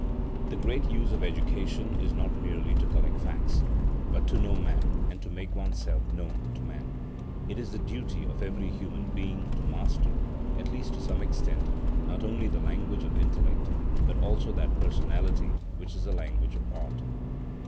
The great use of Education is not merely to collect facts, but to know man and to make oneself known to man. It is the duty of every human being to master, at least to some extent, not only the language of intellect, but also that personality which is the language of Art.